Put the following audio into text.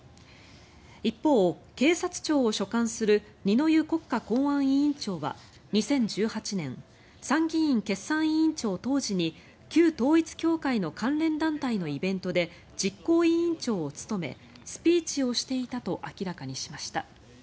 一方、警察庁を所管する二之湯国家公安委員長は２０１８年参議院決算委員長当時に旧統一教会の関連団体のイベントで実行委員長を務めスピーチをしていたと明らかにしました。